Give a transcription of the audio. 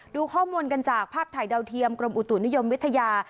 ดูข้อมูลกันจากภาพถ่ายดาวเทียมกรมอุตุนิยมวิทยา